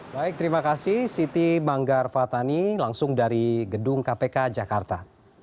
baik terima kasih siti manggar fatani langsung dari gedung kpk jakarta